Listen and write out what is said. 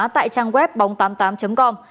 tại trang web bóng tám mươi tám com